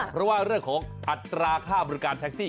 เพราะว่าเรื่องของอัตราค่าบริการแท็กซี่